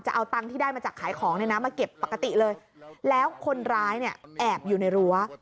เอาตังค์ที่ได้มาจากขายของเนี่ยนะมาเก็บปกติเลยแล้วคนร้ายเนี่ยแอบอยู่ในรั้ว